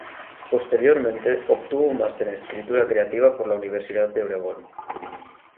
Posteriormente obtuvo un máster en escritura creativa por la Universidad de Oregón.